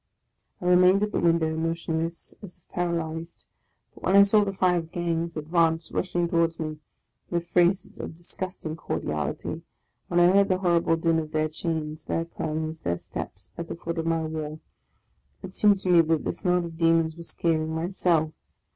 " I re mained at the window, motionless, as if paralyzed; but when I saw the five gangs advance, rushing towards me with phrases of disgusting cordiality ; when I heard the horrible din of their chains, their clamours, their steps at the foot of my wall, it seemed to me that this knot of demons were scaling my cell!